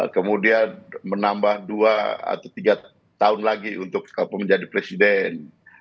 kemudian menambah dua atau tiga tahun lagi untuk menjadi presiden